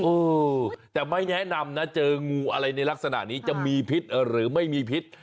เออแต่ไม่แนะนำนะเจองูอะไรในลักษณะนี้จะมีพิษหรือไม่มีพิษ